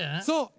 そう。